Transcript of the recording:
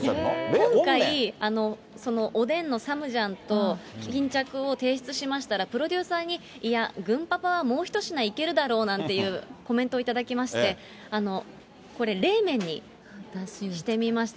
今回、そのおでんのサムジャンと、巾着を提出しましたら、プロデューサーにいや、ぐんパパはもう一品いけるだろうなんていうコメントを頂きまして、これ、冷麺にしてみました。